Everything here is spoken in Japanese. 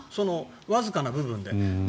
わずかな部分で。